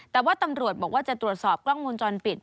แต่ว่าตำรวจบอกว่าจะตรวจสอบกล้องมูลจรปิด